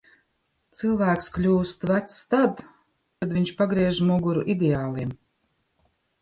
Cilvēks kļūst vecs tad, kad viņš pagriež muguru ideāliem.